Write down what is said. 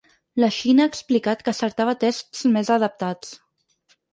La Xina ha explicat que cercava tests més adaptats.